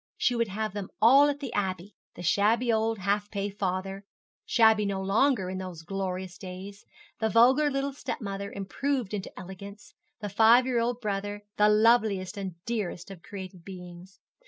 She would have them all at the Abbey, the shabby old half pay father, shabby no longer in those glorious days; the vulgar little stepmother, improved into elegance; the five year old brother, that loveliest and dearest of created beings.